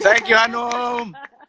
thank you anum